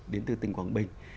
đến từ tỉnh quảng bình